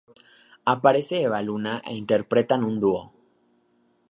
Aparece Eva-Luna, e interpretan un dúo.